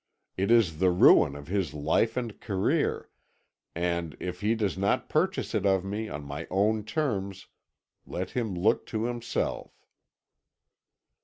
It is the ruin of his life and career, and, if he does not purchase it of me on my own terms, let him look to himself."